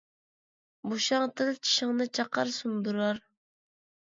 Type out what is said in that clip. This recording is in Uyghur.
بوشاڭ تىل چىشىڭنى چاقار - سۇندۇرار.